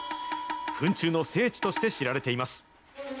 フン虫の聖地として知られています。